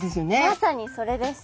まさにそれです！